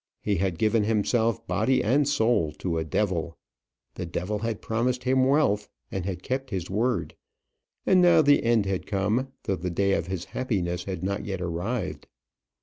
He had given himself body and soul to a devil. The devil had promised him wealth, and had kept his word. And now the end had come, though the day of his happiness had not yet arrived.